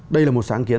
đây là một sáng kiến